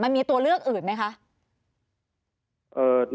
มันมีตัวเลือกอื่นไหมคะ